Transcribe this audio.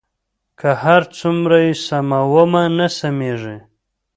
که هر څو یې سمومه نه سمېږي.